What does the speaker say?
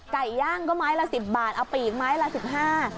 ไก่ย่างก็ไม้ละ๑๐บาทเอาปีกไม้ละสิบห้า